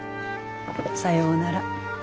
さようなら。